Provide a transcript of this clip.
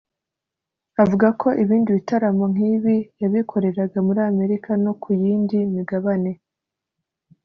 Avuga ko ibindi bitaramo nk’ibi yabikoreraga muri Amerika no ku yindi migabane